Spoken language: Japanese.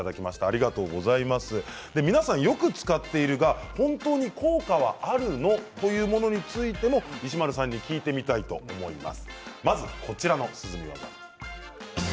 ありがとうございます皆さんよく使っているが本当に効果はあるのというものについても石丸さんに聞いてみたいと思います。